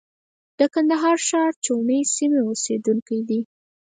د کندهار ښار چاوڼۍ سیمې اوسېدونکی دی.